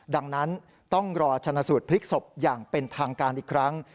ดังนั้นต้องรอชนะสูตรพลิกศพอย่างเป็นทางการอีกครั้ง